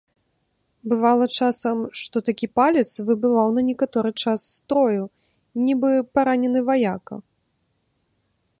Бывала часам, што такі палец выбываў на некаторы час з строю, нібы паранены ваяка.